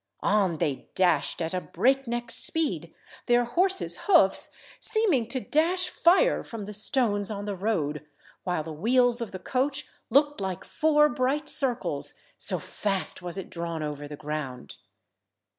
On they dashed at a break–neck speed, their horses' hoofs seeming to dash fire from the stones on the road, while the wheels of the coach looked like four bright circles, so fast was it drawn over the ground.